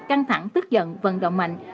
căng thẳng tức giận vận động mạnh